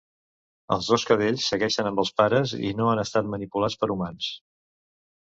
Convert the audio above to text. Els dos cadells segueixen amb els pares i no han estat manipulats per humans.